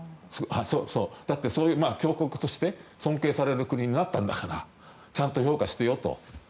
だって、強国として尊敬される国になったんだからちゃんと評価してよと。